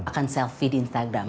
akan selfie di instagramnya